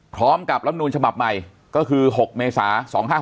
พร้อมกับรัฐธรรมดุลฉบับใหม่ก็คือ๖เมษา๒๕๖๐